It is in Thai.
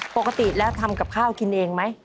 ปกติแล้วทำกับข้าวกินเองไหม